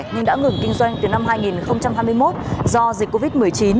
nhưng đã ngừng kinh doanh từ năm hai nghìn hai mươi một do dịch covid một mươi chín